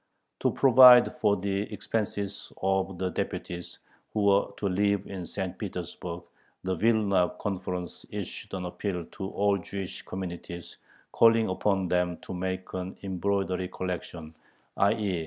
To provide for the expenses of the deputies, who were to live in St. Petersburg, the Vilna conference issued an appeal to all Jewish communities calling upon them to make an "embroidery collection," _i.